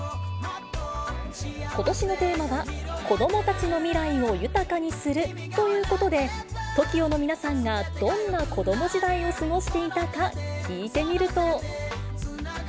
ことしのテーマは、子どもたちの未来を豊かにするということで、ＴＯＫＩＯの皆さんがどんな子ども時代を過ごしていたか、聞いてみると。